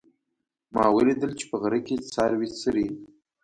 ما ولیدل چې په غره کې څاروي څري